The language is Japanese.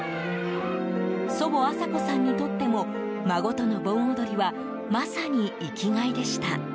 祖母アサ子さんにとっても孫との盆踊りはまさに生きがいでした。